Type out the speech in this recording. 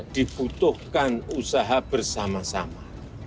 diputuhkan usaha bersama sama